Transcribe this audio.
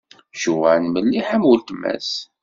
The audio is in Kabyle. Joan melliḥ am uletma-s.